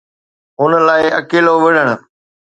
ان لاءِ اڪيلو وڙهڻ